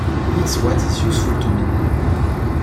It's what is useful to me.